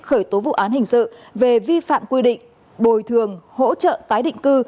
khởi tố vụ án hình sự về vi phạm quy định bồi thường hỗ trợ tái định cư